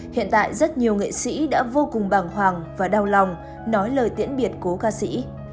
hiện tại rất nhiều nghệ sĩ đã vô cùng bàng hoàng và đau lòng nói lời tiễn biệt cố ca sĩ